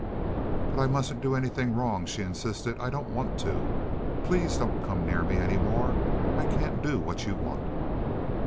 "But I mustn't do anything wrong," she insisted. "I don't want to. Please don't come near me any more. I can't do what you want."